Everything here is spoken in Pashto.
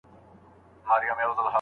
خپل پردي ورته راتلل له نیژدې لیري